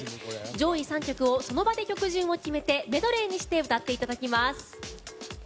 上位３曲をその場で曲順を決めてメドレーにして歌っていただきます。